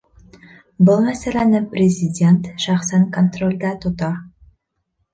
Был мәсьәләне Президент шәхсән контролдә тота.